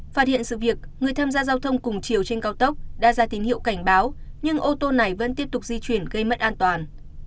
phát hiện sự việc người tham gia giao thông cùng chiều trên cao tốc đã ra tín hiệu cảnh báo nhưng ô tô này vẫn tiếp tục di chuyển gây mất an toàn